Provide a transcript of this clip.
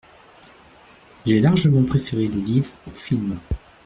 J’ai largement préféré le livre au film.